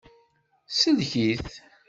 Sellek-it.